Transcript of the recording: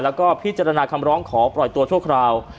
แล้วก็พิจารณาคำร้องขอปล่อยตัวชั่วคราว